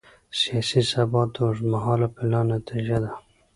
سیاسي ثبات د اوږدمهاله پلان نتیجه ده